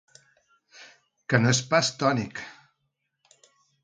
Que no és pas tònic.